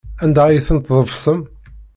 Anda ay ten-tḍefsem?